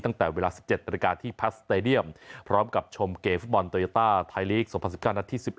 ตั้งแต่เวลา๑๗นาฬิกาที่แพสเตดียมพร้อมกับชมเกมฟุตบอลโตยาต้าไทยลีก๒๐๑๙นัดที่๑๑